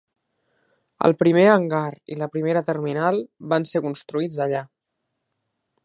El primer hangar i la primera terminal van ser construïts allà.